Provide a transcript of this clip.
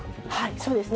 そうですね。